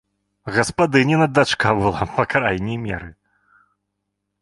Гаспадыніна дачка была па крайняй меры!